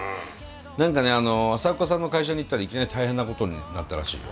何かね朝岡さんの会社に行ったらいきなり大変なことになったらしいよ。